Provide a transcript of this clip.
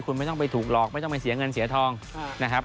คุณไม่ต้องไปถูกหลอกไม่ต้องไปเสียเงินเสียทองนะครับ